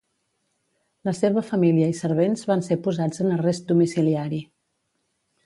La seva família i servents van ser posats en arrest domiciliari.